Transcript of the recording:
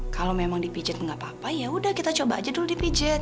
kalau memang dipijat nggak apa apa ya udah kita coba aja dulu dipijat